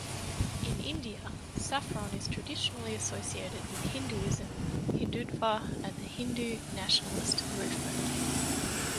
In India, saffron is traditionally associated with Hinduism, Hindutva and the Hindu nationalist movement.